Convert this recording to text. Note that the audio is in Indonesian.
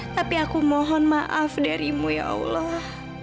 tapi aku mohon maaf darimu ya allah